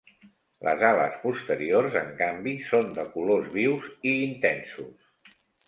Les ales posteriors, en canvi, són de colors vius i intensos.